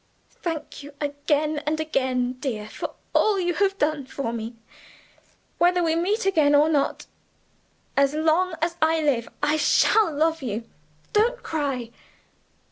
"Thank you again and again, dear, for all you have done for me. Whether we meet again or not, as long as I live I shall love you. Don't cry!"